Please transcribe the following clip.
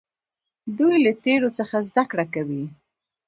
دوی له تیرو څخه زده کړه کوي.